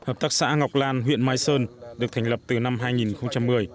hợp tác xã ngọc lan huyện mai sơn được thành lập từ năm hai nghìn một mươi